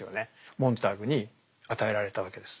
モンターグに与えられたわけです。